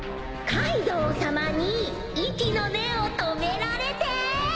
カイドウさまに息の根を止められて！